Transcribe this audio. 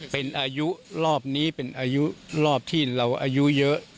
เป็นอายุรอบนี้เป็นอายุรอบที่เราอายุเยอะ